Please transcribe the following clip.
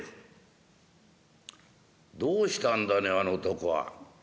「どうしたんだねあの男は」。